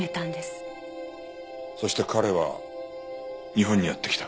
そして彼は日本にやって来た。